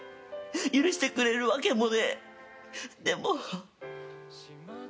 許してくれるわけもねえ。